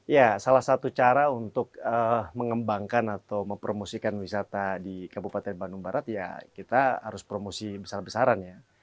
ya salah satu cara untuk mengembangkan atau mempromosikan wisata di kabupaten bandung barat ya kita harus promosi besar besaran ya